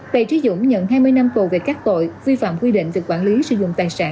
bè trí dũng nhận hai mươi năm tù về các tội vi phạm quy định về quản lý sử dụng tài sản